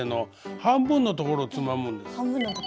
半分のところをつまむ。